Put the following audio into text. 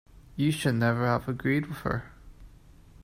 You should never have agreed with her